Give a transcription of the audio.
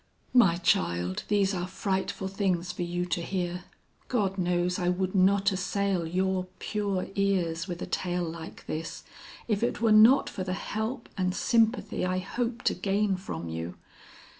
"My child, these are frightful things for you to hear. God knows I would not assail your pure ears with a tale like this, if it were not for the help and sympathy I hope to gain from you.